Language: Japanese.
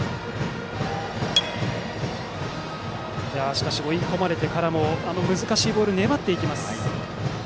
しかし追い込まれてからも難しいボールに粘っていきます。